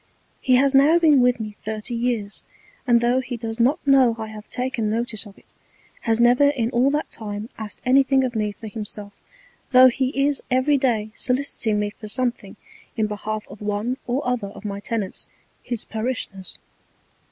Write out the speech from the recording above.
He has now been with me thirty Years; and tho' he does not know I have taken Notice of it, has never in all that time asked anything of me for himself, tho' he is every Day soliciting me for something in behalf of one or other of my Tenants his Parishioners.